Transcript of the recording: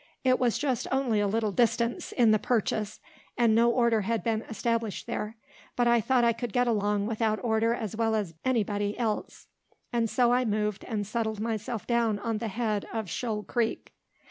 It was just only a little distance in the purchase, and no order had been established there; but I thought I could get along without order as well as any body else. And so I moved and settled myself down on the head of Shoal Creek.